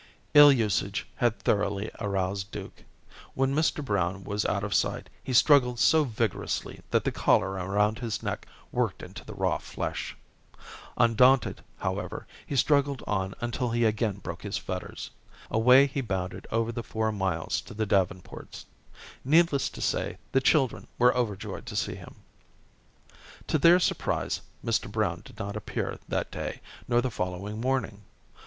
Ill usage had thoroughly aroused Duke. When Mr. Brown was out of sight, he struggled so vigorously that the collar around his neck worked into the raw flesh. Undaunted, however, he struggled on until he again broke his fetters. Away he bounded over the four miles to the Davenports'. Needless to say, the children were overjoyed to see him. To their surprise, Mr. Brown did not appear that day, nor the following morning.